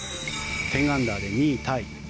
１０アンダーで２位タイ。